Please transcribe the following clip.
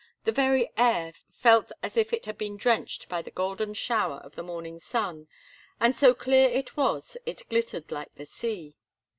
The very air felt as if it had been drenched by the golden shower of the morning sun, and so clear it was, it glittered like the sea.